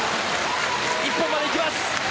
一本までいきます！